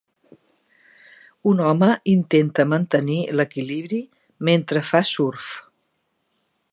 Un home intenta mantenir l'equilibri mentre fa surf